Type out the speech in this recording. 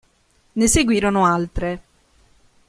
Ne seguirono altre.